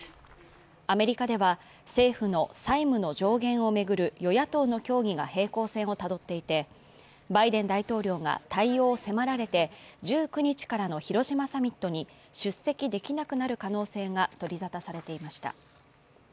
アメリカでは政府の債務の上限を巡る与野党の協議が平行線をたどっていて、バイデン大統領が対応を迫られて１９日からの広島サミットに出席できなくなる可能性が取りざたされていました。